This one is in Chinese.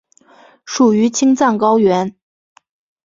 属于青藏高原。